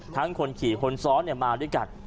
คนขี่คนซ้อนมาด้วยกัน